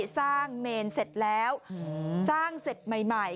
สร้างเมนเสร็จแล้วสร้างเสร็จใหม่